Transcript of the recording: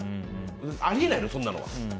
あり得ないの、そんなもんは。